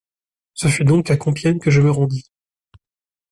Ce fut donc à Compiègne que je me rendis.